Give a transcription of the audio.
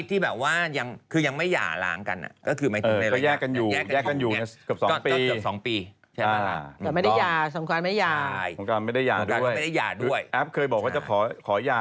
แต่เรื่องนี้ผมไม่ได้ยุ่งนะผมบอกว่าไม่ได้ยุ่งผมแค่จดให้